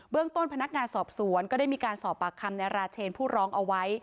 ต้นพนักงานสอบสวนก็ได้มีการสอบปากคำในราเชนผู้ร้องเอาไว้